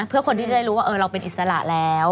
เพื่อคนที่จะได้รู้ว่าเราเป็นอิสระแล้ว